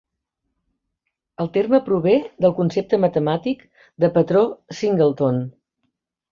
El terme prové del concepte matemàtic de patró "singleton".